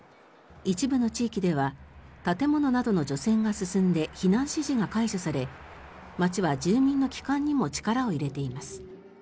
一部の地域では建物などの除染が進んで避難指示が解除され町は住民の帰還にも力を入れています。